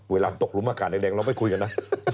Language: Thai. เวลาตกหลุมอากาศแรงเราไม่คุยกันนะ